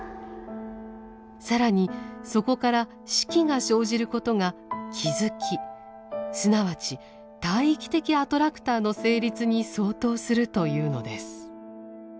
更にそこから「識」が生じることが気づきすなわち大域的アトラクターの成立に相当するというのです。